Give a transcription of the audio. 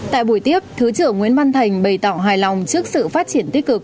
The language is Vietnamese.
tại buổi tiếp thứ trưởng nguyễn văn thành bày tỏ hài lòng trước sự phát triển tích cực